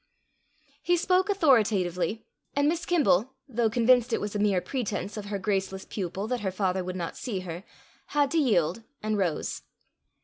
He spoke authoritatively, and Miss Kimble, though convinced it was a mere pretence of her graceless pupil that her father would not see her, had to yield, and rose.